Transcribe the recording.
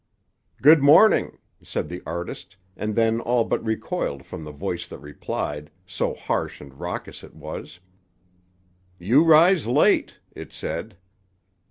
"Good morning," said the artist, and then all but recoiled from the voice that replied, so harsh and raucous it was. "You rise late," it said.